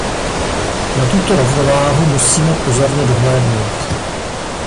Na tuto rovnováhu musíme pozorně dohlédnout.